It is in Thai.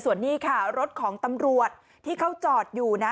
ส่วนนี้ค่ะรถของตำรวจที่เขาจอดอยู่นะ